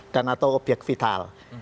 dan atau obyek vital